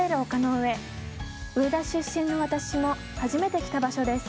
上田出身の私も初めて来た場所です。